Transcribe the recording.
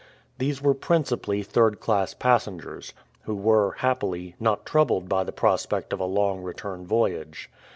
These were principally third class passengers, who were, happily, not troubled by the prospect of a long return voyage.